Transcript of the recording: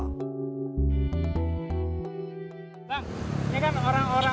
kompleks permukiman pada tenga dari kerawakan